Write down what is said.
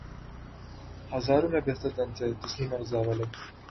ہزاروں میں بہتر تن تھے تسلیم و رضا والے